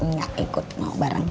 enggak ikut mau bareng